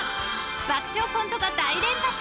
爆笑コントが大連発。